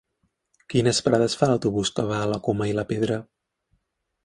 Quines parades fa l'autobús que va a la Coma i la Pedra?